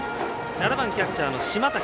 ７番キャッチャーの島瀧。